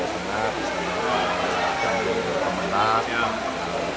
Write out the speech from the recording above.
di jawa tengah di jawa tengah di jawa tengah di jawa tengah